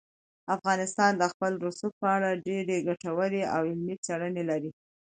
افغانستان د خپل رسوب په اړه ډېرې ګټورې علمي څېړنې لري.